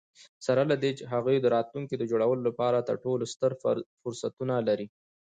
سره له دي، هغوی د راتلونکي د جوړولو لپاره تر ټولو ستر فرصتونه لري.